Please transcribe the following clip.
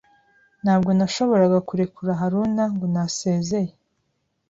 Ntabwo nashoboraga kurekura Haruna ngo ntasezeye.